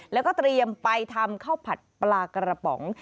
แล้วก็เตรียมไปทำข้าวผัดปลากระป๋อง